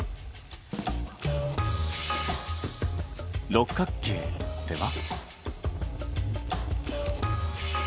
六角形では？